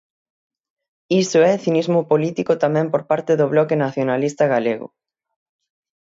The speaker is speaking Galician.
Iso é cinismo político tamén por parte do Bloque Nacionalista Galego.